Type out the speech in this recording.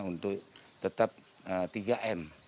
untuk tetap tiga m